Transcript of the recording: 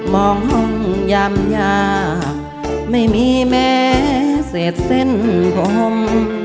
มองห้องยามยากไม่มีแม่เสร็จเส้นผม